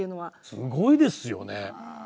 すごいですよね。